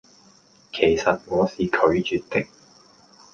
其實我是拒絕的